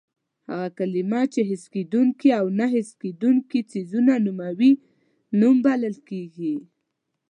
هغه کلمه چې حس کېدونکي او نه حس کېدونکي څیزونه نوموي نوم بلل کېږي.